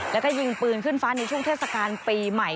แล้วก็ยิงปืนขึ้นฟ้าในช่วงเทศกาลปีใหม่